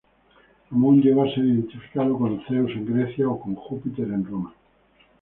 Amón llegó a ser identificado con Zeus en Grecia o con Júpiter en Roma.